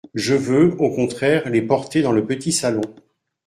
Je veux, au contraire, les porter dans le petit salon…